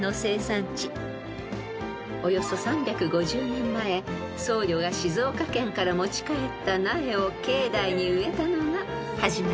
［およそ３５０年前僧侶が静岡県から持ち帰った苗を境内に植えたのが始まりといわれています］